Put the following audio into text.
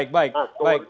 oke baik baik